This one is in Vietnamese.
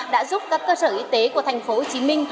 đã giúp các cơ sở y tế của tp hcm